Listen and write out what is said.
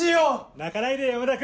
泣かないで山田君！